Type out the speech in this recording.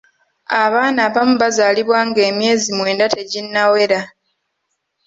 Abaana abamu bazaalibwa nga emyezi mwenda teginnawera.